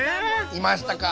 いましたか？